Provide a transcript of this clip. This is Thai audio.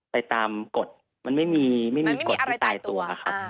ไปตามกฎมันไม่มีไม่มีกฎที่ตายตัวครับ